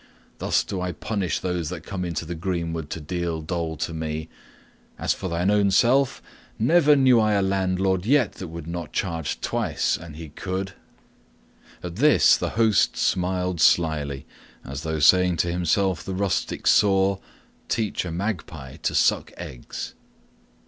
Thus do I punish those that come into the greenwood to deal dole to me. As for thine own self, never knew I landlord yet that would not charge twice an he could." At this the host smiled slyly, as though saying to himself the rustic saw, "Teach a magpie to suck eggs."